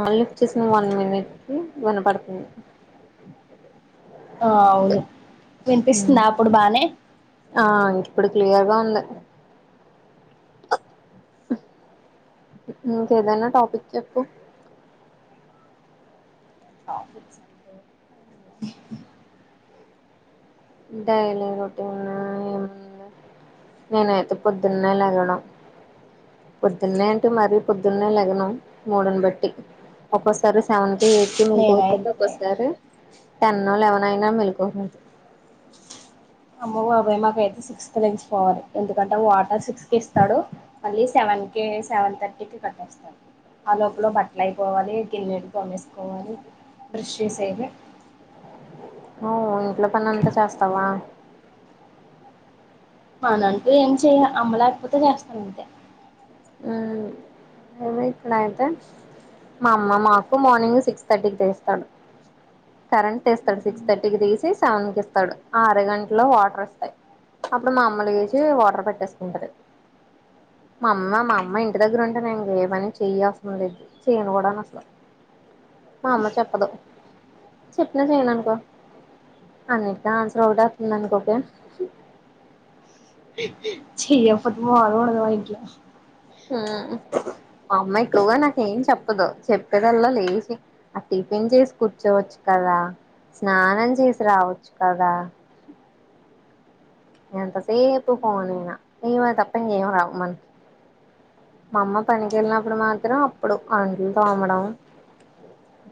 ఆ లిఫ్ట్ చేసింది one minute కి వినపడుతుంది ఆ అవును వినిపిస్తుందా అప్పుడు బానే క్లియర్గా ఉంది క ఏదన్న టాపిక్ ఎప్పు ంట డైలీ రొటీన్ ఏ నేనైతే పొద్దున్నే లెగడం పొద్దున్న అంటే మరీ పొద్దున్నే లగడంం మూడ్ ని బట్టి ఒక్కోసారి సెవన్ బయటికి మేం పోతుంటే నేనైతే ఒకసారి టెన్ లెవెన్ అయినా మెళకువ అమ్మో బాబోయ్ మాకు అయితే [unintelligible] ఎంత ఎందుకంటే వాటర్ సిక్స్ కి ఇస్తాడు మళ్ళీ సెవెన్ కి సెవెన్ థర్టీకి కట్టేస్తాడు ఆ లోపల బట్టలు అయిపోవాలి గిన్నెలు తోమేసుకోవాలి బ్రష్ చేసేయాలి అ ఓ ఇట్ల పని అంతా చేస్తావా పని అంటే ఏం చెయ్య అమ్మ లేకపోతే చేస్తాను అంతే ఉ ఇక్కడ అయితే మా అమ్మ మాకు మార్నింగ్ సిక్స్ థర్టీకి తీస్తాడు కరెంట్ తీస్తాడు సిక్స్ థర్టీకి తీసి సెవెన్ కి ఇస్తడు ఆ అర గంటలో వాటర్ వస్తాయి అప్పుడు మా అమ్మ లేసి వాటర్ పట్టేసుకుంటది మా అమ్మ మా అమ్మ ఇంటి దగ్గర ఉంటే నేను ఇంక ఏ పని చెయల్సంది లేది చేయను కూడా అసలు మా అమ్మ చెప్పదు చెప్పినా చెయను అనుకో అన్నిటికీ ఆన్సర్ ఒకటే వస్తుంది అనుకోకే చేయకపోతే మాములుగా ఉండదు మా ఇంట్ల ఉ మా అమ్మ ఎక్కువగా నాకు ఏం చెప్పదు చెప్పేదల్లా లేచి ఆ టిఫిన్ చేసి కూర్చోవచ్చు కదా స్నానం చేసి రావచ్చు కదా ఎంతసేపు ఫోన్ యేన ఇవి తప్ప ఇంకేం రావు మనకి మా అమ్మ పనికి వెళ్ళినప్పుడు మాత్రం అప్పుడు అంట్లు తోమడం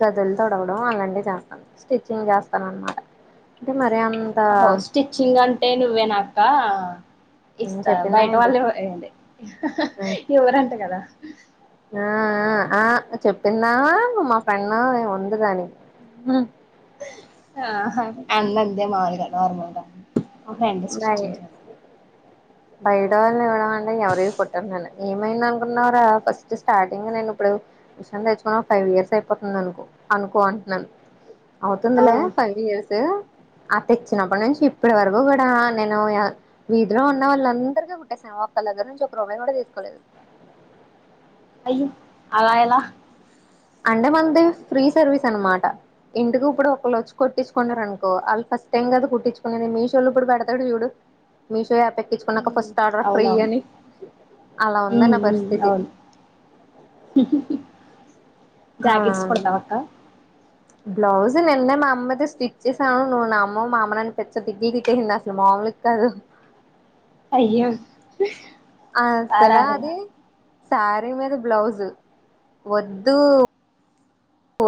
గదులు తుడవడం అలాంటివి చేస్తాను స్టిచ్చింగ్ చేస్తాను అన్నమాట అంటే మర్ అ హో స్టిచ్చింగ్ అంటే నువ్వే నాకు కా ఇస్తా చెప్పిందా బయట ఏంటి వాళ్లే అండి ఇవ్వరంట కదా ఆ ఆ చెప్పిన్నా మా ఫ్రెండ్ ఉంది కాని ఆ అన్ని అంతే మా వా నార్మల్ అహ ఎంత బయ స్త్రీచింగ్ బయట వాళ్ళు ఇవ్వడం అంటే ఎవరివి కుట్టను నేను ఏమైంది అనుకున్నవ్ రా ఫస్ట్ స్టార్టింగ్ నేను ఇప్పుడు మెషిన్ తెచ్చుకుని ఒక ఫైవ్ ఇయర్స్ అయిపోతుంది అనుకో అనుకో అంటున్నాను ఆ అవుతుందిలే ఫైవ్ ఇయర్స్ అ తెచ్చినప్పటి నుంచి ఇప్పటి వరకు కూడా ఆ నేను వీధిలో ఉన్న వాళ్ళు అందరికి కుట్టేసాను ఒక్కళ్ళ దగ్గర నుంచి ఒక రూపాయి కూడా తీసుకోలేదు అయ్యో అలా ఎలా అంటే మనది ఫ్రీ సర్వీస్ అన్నమాట ఇంటికి ఇప్పుడు ఒకళ్లు వచ్చి కుట్టించుకున్నారు అనుకో వాళ్ళు ఫస్ట్ టైం కదా కుట్టించుకునేది మీషో లో ఇప్పుడు పెడతాడు చూడు మీషో యాప్ ఎక్కించుకున్నాక ఉమ్ ఫస్ట్ ఆర్డర్ ఫ్రీ అవునవును అని అలా ఉ ఉంది నా ఉ పరిస్థితి అవును ఆ జాకెట్స్ కుడతావ అక్క బ్లౌజ్ నిన్న మా అమ్మ ది స్టిచ్ చేసాను అమ్మో మా అమ్మ నన్ను పిచ్చిగా తిట్లు తిట్టేసింది అసలు మాములుగా కాదు అయ్యో అసలు రారాదురా అది శారీ మీద బ్లౌజు వద్దు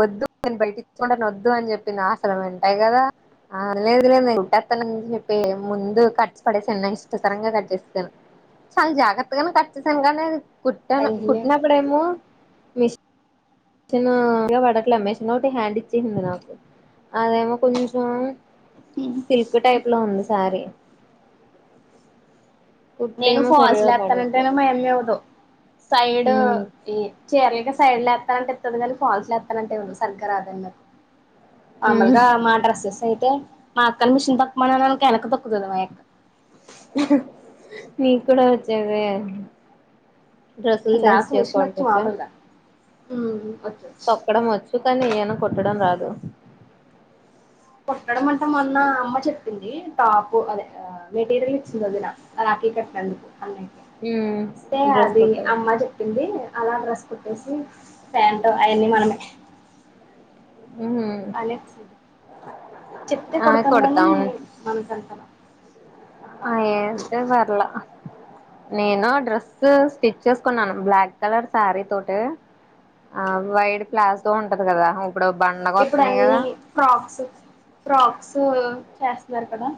వద్దు నేను బయట ఇచ్చుకుంటాను వద్దు అని చెప్పి నా అసలు వింటే కదా అ లేదు లేదు నేను కుట్టేత్తాను అని చెప్పి ముందు కట్ చేసి పడేసాను నైఫ్ తో సడెన్ గా కట్ చేసెసాను చాలా జాగ్రత్తగానే కట్ చేసాను కా కుట్టాను అయ్యో కుట్టినప్పుడేమో మెషిన్ నా పడట్లే మెషిన్ ఒకటి హ్యాండ్ ఇచ్చేసింది నాకు అదేమో కొంచెం సిల్క్ టైప్ లో ఉంది సారీ నేను కుట్టేమో ఫాల్స్ సరిగా లు ఎత్తానంటే నే పడట్లేదు మా యమ్మ ఇవ్వదు సైడ్ ఉమ్ ఈ చీరలకె సైడ్ లేత్త ఎత్తనంటే ఎస్తుంది కానీ ఫాల్న్స్లు ఎస్తానంటే సరిగా రాదన్నకు ఉమ్ ఆమల్గా మాడ్రస్ ఎస్ యితే మాక్కని మిషన్ తక్కుమ అనక తక్కుతు మకు నీ కూడ వచ్చాదే నాకు మీషన్ వచ్చు మామలుగా హ్మ్ తొక్కడం వచ్ కానీ ఆయన కుట్టడం రాదు కొట్టడం అంటా మొన్న అమ్మ చెప్పింది టాప్ అదే మెటీరియల్ ఇచ్చింది అద నా అకే కట్టినందుకు అన్నకి ఉమ్ ఇస్తే డ్రెస్ అది కుట్టదా అమ్మ చెప్పింది అలా డ్రెస్ కుట్టేసి ప్యాంట్ అవన్నీ మనమే ఉహు అలెక్స్ చెప్తే ఆ కొడతాం గాని మన హలో ఆ ఏంతే వర్లా నేను డ్రెస్ స్టిచ్ చేసుకున్నాను. బ్లాక్ కలర్ శారీ తోటె ఆ వైట్ ప్లాస్తో ఉంటది, కదా అవ్ ఇప్పుడు అన్ని ఫ్రాక్స్ ఫ్రాక్స్ చేస్తున్నారు కదా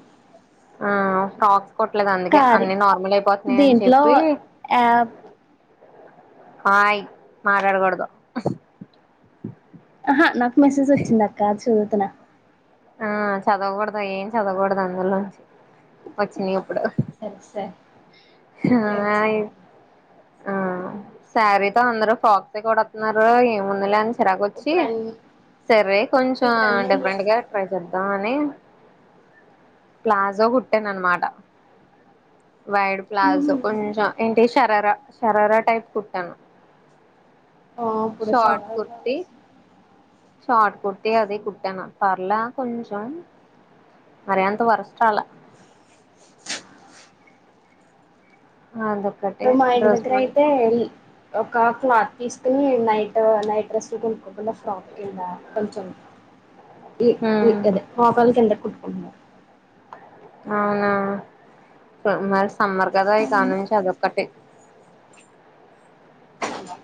ఆ ఫ్రాక్స్ కొట్టలేదు అందుకే కారే అన్ని నార్మల్ అయిపోతున్నాయి అని దీంట్లో చెప్పి యాప్ ఆయ్ మాట్లాడకూడదు ఆహ నాకు మెసేజ్ వచ్చింది అక్క చూద్ త్తన్నా ఆ చదవకూడదు ఏం చదకూడదు అందులోంచి వచ్చినయి ఇప్పుడు సరే సరే హ్ ఇప్పుడే హా యి వచ్చింది ఆ సరే శారీతో అందరు ఫ్రాక్సే కొడుతున్నారు ఏ ముందులే అన్సి చిరాగొచ్చి ఇప్పుడు అన్ని సరే కొంచెం ఇప్పుడు అన్నీ అయ్యాయి డిఫరెంట్ గా ద్దాన్నే ప్లాజో కుట్టాను అనమాట వైడ్ ప్లాజో కొంచెం ఏంటి ష్ శషరరా శషరరా టైప్ కుట్టాను ఆ అప్పుడ షార్ట్ చాలా కుర్తి [unintelligible] షార్ట్ కుర్తి అది కుట్టాను పాప్ అలా కొంచం మరి అంత వరస్ట్రాల అదొక్కటి ఇప్పుడు మా ఇంటి డ్రెస్ దగ్గర మరి అయితే ఇం క్లాత్ తీసుకుని నైట్ నైట్ డ్రెస్లు కొనుక్కోకుండా ఫ్రాక్ కింద కొంచెం ఈ ఈ ఉమ్ అదే మోకాలు కిందకు కుట్ వున్నా అవునా మరి స సమ్మర్ కదా ఈ కాలం నుంచి అది ఒక్కటి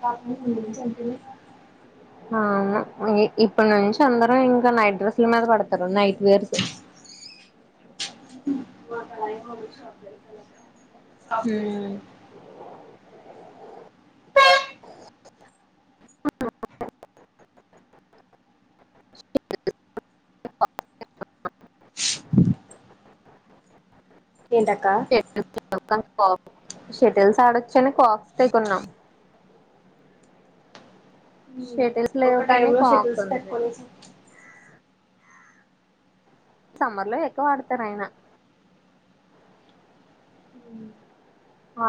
కాపు ముడి చెతు [inaudible] అవును ఇప్పటి నుంచి అందరూ ఇంకా నైట్ డ్రెస్సుల మీద పడతారు నైట్ వేర్స్ మా [inaudible] ఆ చే హ్మ్ [inaudible] ఏంటాక్క షటిల్స్ ఆడొచ్చని కాక్స్ తే కొన్నాం షటిల్స్ ఒక లేవు కానీ టైమ్ లో షటిల్స్ కిక్ంది పెట్టుకోనేసాం సమ్మర్ లో ఎక్కువ ఆడతార ఆయన ఆ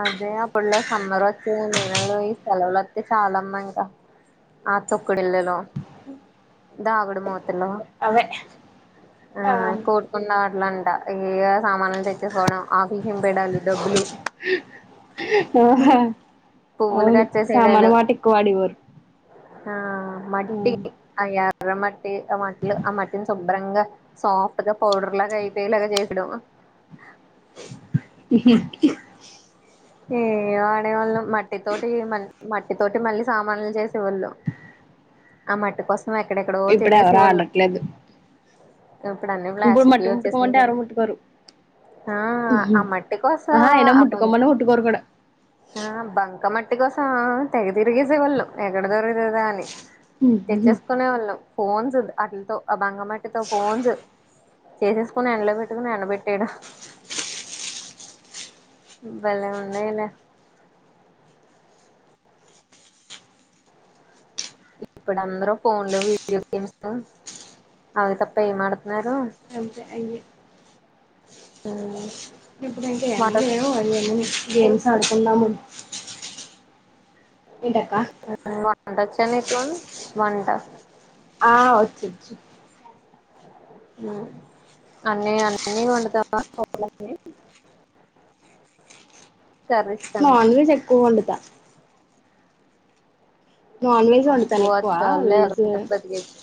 అదే అప్పుట్లో సమ్మర్ వచ్చే నేనలు ఈ సెలవులు వస్తే చాలమ్మా ఇంకా ఆ తొక్కుడిళ్ళలో దాగుడుమూతల అవే ఆ కోడుకుండాటలాండి ఏ సామానలు తెచ్చేసుకోవడం ఆకషం పెడాలు డబ్బులు పువ్వులు అవును కట్ సామాన చేసేయడాలు వాటికు వాడి వ శర్ర మట్టి ఆ మట్లు ఆ మట్టిని శుభ్రంగా సాఫ్ట్ గా పౌడర్ లాగా అయిపోయేలాగా చేసడం ఏ ఆడేవాళ్ళు మట్టి తోటి మ మట్టి తోటి మళ్ళీ సామాన్లు చేసేవాళ్ళు ఆ మట్టిక వస్త ఇప్పుడు ఎవరు ఆడట్లేదు ఇప్పుడు అన్నీ ఇప్పుడు ప్లాస్క్ మట్టి వచ్చేసినాయి ముట్టుకోమంటే కదా ఎవరు ముట్టుకోరు ఆ ఆ మట్టి కోసం ఆహా అయినా ఆ బం ముట్టుకోమని ముట్టుకోరు కూడా బంక మట్టి వటి కోసం తెగ తిరిగేసేవాళ్ళు ఎక్కడ దొర కదా అని తెచ్చేసుకునే వాళ్ళం ఫోన్స్ ఉ అటిలతో ఆ భంగమ ఫోన్స్ చేసేసుకుని ఎండలో పెట్టుకుని ఎండబెట్టాడు భలే వున్నాయిలే ఇప్పుడు అందరు ఫోన్లు వీడియో గేమ్స్ అవి తప్ప ఏమాడ అంతే అయ్యే ఆ ఇప్పుడు ఇంకా ఎన్ని లేవు అది ఏమ గేమ్స్ ఆడుకున్నాము ఎంటక్క వంట వచ్చా నీకు ఆ వచ్చు వచ్చు అన్నీ అన్ని వండుతావా కోల కర్రీస్ అన్ని నాన్ వెజ్ వండుతా నాన్ వెజ అబ్బో వండుతాను అది ఎక్కువ చాలులే వెజ అరగంట బతికేయొచ్చు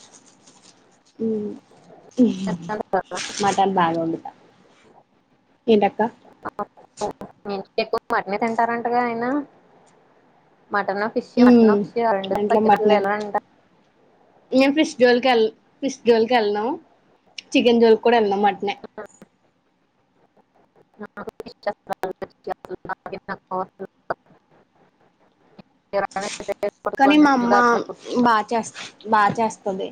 మాటన్ బాగా వండుతా ఏంటక్క మ ఎక్కువ మట్టనే తింటారంటగా ఆయన మటనో ఫిషి మటనో ఫిషి అ ఇంట్లో పన మటనే ఎలాంట ఫిస్ జోలికి వెళ్ళనాాం చికెన్ జోలి కూడా వెళ్ళనాాం మటనే [unintelligible] కానీ మా పట్టుకుంటున్నాను అమ్మ చూడు అలా. బాగా చేస్త బాగా చేస్తుది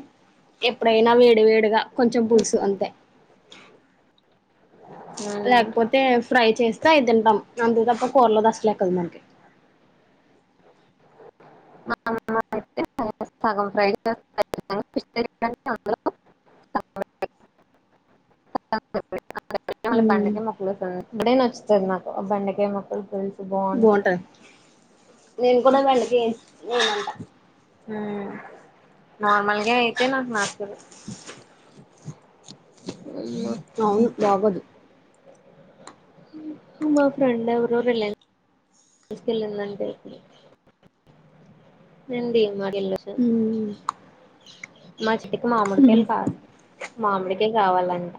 ఎప్పుడైనా వేడి వేడిగా కొంచెం పులుసు అంతే ఉమ్. లేకపోతే ఫ్రై చేస్త ఇది తింటాం అంతే తప్ప కూరలోది అసలు ఎక్కదు మనకి సగం ఫ్రై అంద స [unintelligible] అ మ ఉమ్ బంండే మకులు స ఇప్పుడే న వచ్చుతుంది మాకు బెండకాయ మొక్కలు పల్ బాగుంటాయి నేను కూడా వెంటకి ఉమ్ నార్మల్గా అయితే నాకు నచల్ అవును బాగోధు మా ఫ్రెండ్ ఎవరు రిలయన్స్సుకెళ్ళిందంటే అండి మాెళ మా చిట్టుకి మామిడికాయలు కాదు మామిడికాయ కావాలంట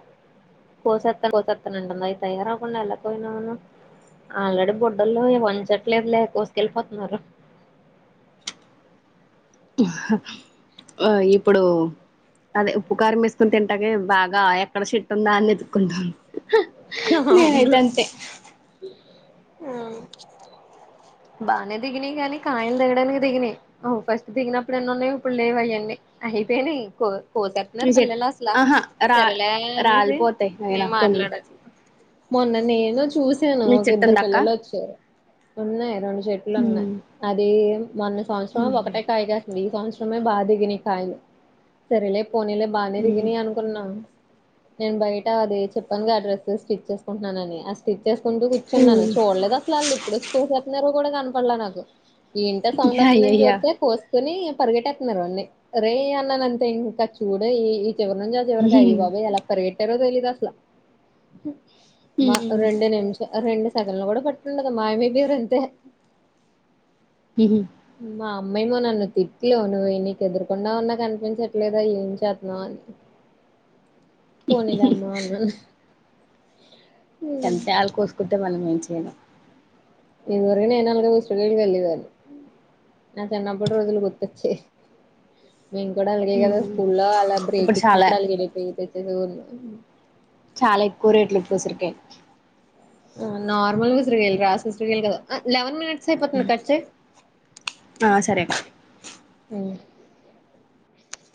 కోసత్త కోసత్తానంటంది అవి తయార అవకుండా వెళ్ళకపోయినాను ఆల్రెడీ బొడ్డల్లో వంచట్లేదు లే కోసుకెళ్ళిపోతున్నారు ఇప్పుడు అదే ఉప్పు కారం వేసుకుని తింటాక బాగా ఎక్కడ చెట్టు ఉందా అని వెతుకుంటాను అ అవును బానే దిగినాయి కాగానీ కాయలు దిగడానికి దిగినాయి ఫస్ట్ దిగినప్పుడు ఎన్నన్నాయి ఇప్పుడు లేవ అయ్యండి అయిపోయినాయి కో మీ కోసతున్నారు చెట్ పిల్లలు అసలా ఆహా రా సరేలే అనేసి రాలిపోతాయి అయినా నేను కొన్ని మాట్లాడచ్చు మొన్న న ఏను చూసాను మీ ఒక చెట్టు ఇద్దరు ఉందా అక్క పిల్లలు వచ్చారు ఉన్నాయ అను షర్ట్లు ఉన్నాయి అదే మన సంవత్సరం ఒకటే కాయగాస్తుంది ఈ సంవత్సరం మ బాధిగని కా సరలే పోనీలే బానే దిగిన అనుకున్నా నేను బయట అద చెప్పానుగా అడ్రస్ స్టిచ్ చేసుకుంటున్నానని స్టిచ్ చేసుకుంటూ కూర్చున్నాను చూడలేదు అసలు అల్ ఇప్పుడు వచ్చి [unintelligible] కూడా కనపడలా నాకు ఏంట సౌండ్ వస్తుందని అయ్యయ్యో చూత్తే కోస్ కొని పరిగెట్టేత్తున్నారు. [unintelligible] సరే అన్నలంతే ఇంకా చూడాలి చివరినించి ఆ చివరికి అయ్యో బాబోయ్ ఎలా పరిగే ఎలా తెలీదు అసలు చె మా రెండ నిమ్ష్ రెండు చెదలు కూడా పట్టిండదు మాయమైపోయింది అంతే హ్మ్మ్ అమ్మాయి వాళ్ళ నన్ను తిట్టి అవును నీకు ఎదురుకుండా ఉన్నా కనిపించట్లేదా ఏం చేత్తున్నావు అని పోనీ లేమ్మా అన్నా టెంకాయిల్ కోసుకుంటే మళ్ళ [unintelligible] ేనా ఇదివరకు నేను [unintelligible] వెళ్ళదాన్ని నా చిన్నప్పటి రోజులు గుర్తొచ్చాయ్ మేము కూడా అలాగే కదా హ్మ్. స్కూల్లో అలా ఇప్పుడు బ్రేక్ చాలా ఇచ్చినప్పుడు అలాగే లేపి తెచ్చేసిం మ్మ్ చాలా ఎక్కువ రేట్లు ఇప్పుడు ఉసిరికాయ్ నార్మల్ ఉసిరికాయలు కాసు ఉసిరికాయలు కాదు సే [unintelligible] కచ్చే ఆ సరే అక్క